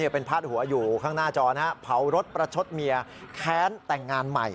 เป็นพาดหัวอยู่ข้างหน้าจอนะฮะเผารถประชดเมียแค้นแต่งงานใหม่